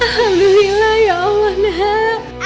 alhamdulillah ya allah nek